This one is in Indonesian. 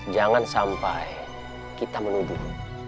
jangan sampai kita menuduh